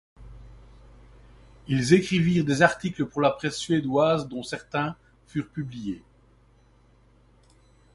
Ils écrivirent des articles pour la presse suédoise dont certains furent publiés.